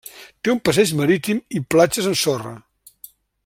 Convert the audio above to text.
Té un passeig marítim i platges amb sorra.